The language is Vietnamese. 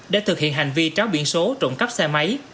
để thực hiện hành vi tráo biển số trộn cắp xe máy